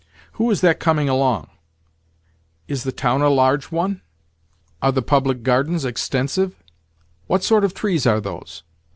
"Who is that coming along?" "Is the town a large one?" "Are the public gardens extensive?" "What sort of trees are those?"